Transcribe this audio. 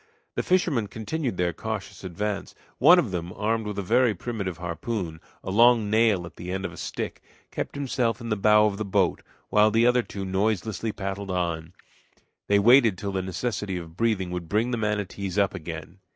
The fishermen continued their cautious advance. One of them, armed with a very primitive harpoon a long nail at the end of a stick kept himself in the bow of the boat, while the other two noiselessly paddled on. They waited till the necessity of breathing would bring the manatees up again.